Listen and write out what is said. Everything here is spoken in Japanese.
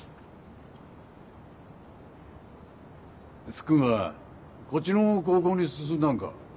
スッくんはこっちの高校に進んだんか？